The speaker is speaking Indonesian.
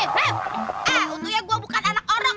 eh untungnya gua bukan anak orang